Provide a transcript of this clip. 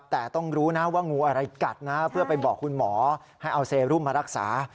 แต่ต้องรู้นะว่างูอะไรกัดนะเพื่อไปบอกคุณหมอให้เอาเซรุมมารักษา